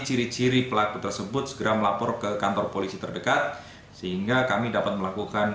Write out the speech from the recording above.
ciri ciri pelaku tersebut segera melapor ke kantor polisi terdekat sehingga kami dapat melakukan